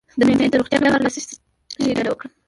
د معدې د روغتیا لپاره له څه شي ډډه وکړم؟